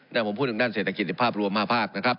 แต่ผมพูดถึงด้านเศรษฐกิจในภาพรวม๕ภาคนะครับ